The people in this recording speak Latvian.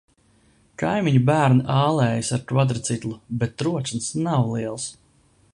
Kaimiņu bērni ālējas ar kvadriciklu, bet troksnis nav liels.